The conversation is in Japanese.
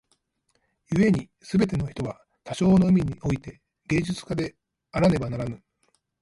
故に凡ての人は多少の意味に於て芸術家であらねばならぬ。